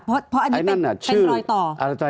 เพราะอันนี้เป็นรอยต่อ